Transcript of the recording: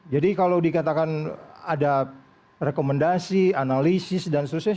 jadi kalau dikatakan ada rekomendasi analisis dan seterusnya